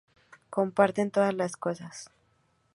Comparten todas las cosas.